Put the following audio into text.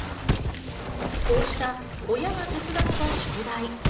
こうした親が手伝った宿題。